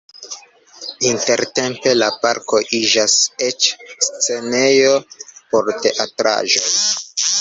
Intertempe la parko iĝas eĉ scenejo por teatraĵoj.